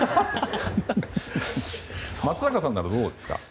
松坂さんならどうですか？